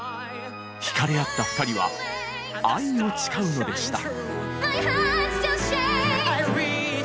惹かれ合った２人は愛を誓うのでした。